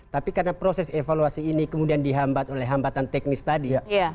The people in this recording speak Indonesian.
tapi karena proses evaluasi ini kemudian dihambat oleh hambatan teknis tadi